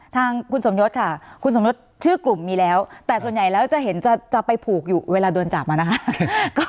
ทางคุณสมยศค่ะคุณสมยศชื่อกลุ่มมีแล้วแต่ส่วนใหญ่แล้วจะเห็นจะไปผูกอยู่เวลาโดนจับมานะคะ